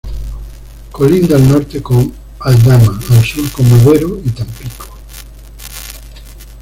Colinda al norte con Aldama, al sur con Madero y Tampico.